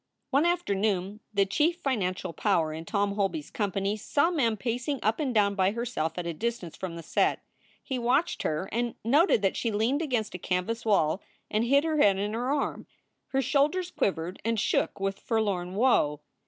One afternoon the chief financial power in Tom Holby s company saw Mem pacing up and down by herself at a dis tance from the set. He watched her and noted that she leaned against a canvas wall and hid her head in her arm. Her shoulders quivered and shook with forlorn woe.